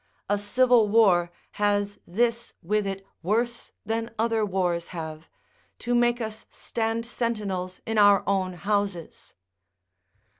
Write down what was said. A civil war has this with it worse than other wars have, to make us stand sentinels in our own houses.